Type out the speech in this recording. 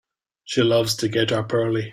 She loves to get up early.